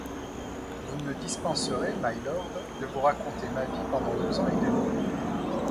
Vous me dispenserez, mylord, de vous raconter ma vie pendant deux ans et demi.